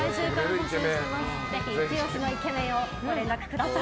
ぜひイチ押しのイケメンご連絡ください。